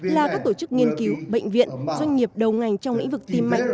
là các tổ chức nghiên cứu bệnh viện doanh nghiệp đầu ngành trong lĩnh vực tìm mạnh